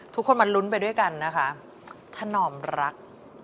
ทุกคนมาลุ้นไปด้วยกันนะคะถนอมรัก